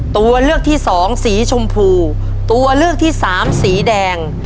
ตัวเลือกที่สองสีชมพูตัวเลือกที่สามสีแดง